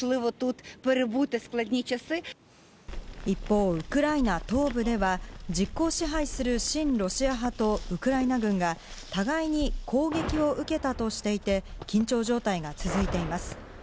一方、ウクライナ東部では実効支配する親ロシア派とウクライナ軍が互いに攻撃を受けたとしていて緊張状態が続いています。